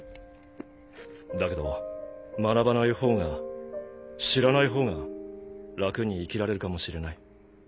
だけど学ばないほうが知らないほうが楽に生きられるかもしれない。